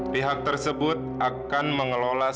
pihak tersebut akan mengelola